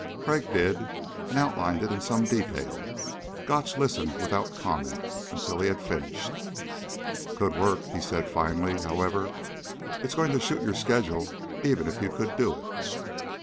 Crag did, and outlined it in some detail. Gotch listened without comment until he had finished. "Could work," he said finally. "However, it's going to shoot your schedule, even if you could do it."